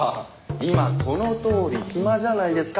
今このとおり暇じゃないですか。